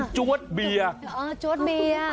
อ๋อจวดเบียร์